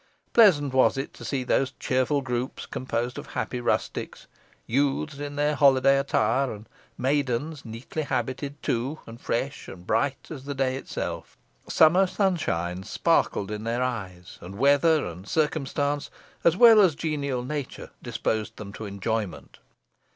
Pleasant was it to see those cheerful groups, composed of happy rustics, youths in their holiday attire, and maidens neatly habited too, and fresh and bright as the day itself. Summer sunshine sparkled in their eyes, and weather and circumstance as well as genial natures disposed them to enjoyment.